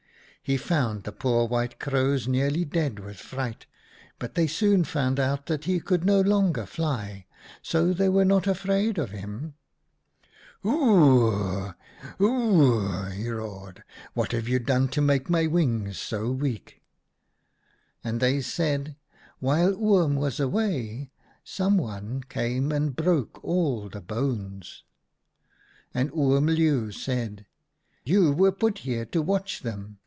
He found the poor White Crows nearly dead with fright, but they soon found out that he could no longer fly, so they were not afraid of him. "' Hoor rr rr rr, hoor rr rr rr!' he roared. ' What have you done to make my wings so weak ?'" And they said :' While Oom was away someone came and broke all the bones.' " And Oom Leeuw said :' You were put here to watch them.